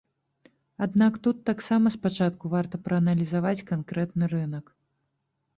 Аднак тут таксама спачатку варта прааналізаваць канкрэтны рынак.